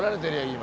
今。